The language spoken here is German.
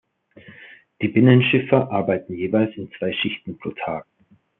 Die Binnenschiffer arbeiten jeweils in zwei Schichten pro Tag.